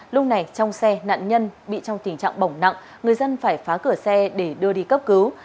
lúc này trong xe nạn nhân bị trong tình trạng bỏng nặng người dân phải phá cửa xe để đưa đi cấp cứu